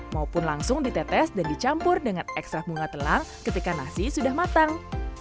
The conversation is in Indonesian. maupun langsung ditetes dan dicampur dengan ekstra bunga telang ketika nasi sudah matang